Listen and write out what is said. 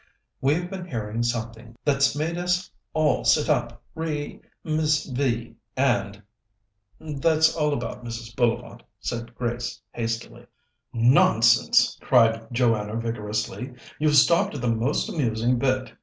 We've been hearing something that's made us all sit up re Miss V. and " "That's all about Mrs. Bullivant," said Grace hastily. "Nonsense!" cried Joanna vigorously; "you've stopped at the most amusing bit.